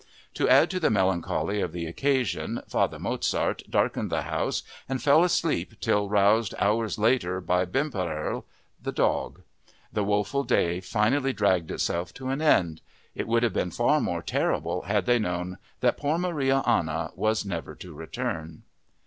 To add to the melancholy of the occasion Father Mozart darkened the house and fell asleep till roused hours later by Bimperl, the dog. The woeful day finally dragged itself to an end; it would have been far more terrible had they known that poor Maria Anna was never to return!